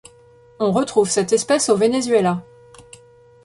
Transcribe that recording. On retrouve cette espèce au Venezuela.